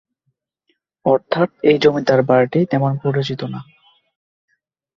অর্থাৎ এই জমিদার বাড়িটি তেমন পরিচিত না।